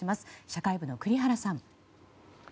社会部の栗原さん。